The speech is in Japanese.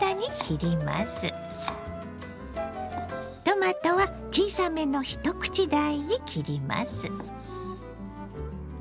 トマトは小さめの一口大に切ります。